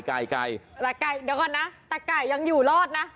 ไกแกแล้วหาก่อนนะแต่ไกอย่งอยู่รอดนะ